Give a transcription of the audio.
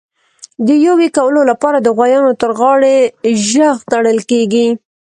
د یویې کولو لپاره د غوایانو تر غاړي ژغ تړل کېږي.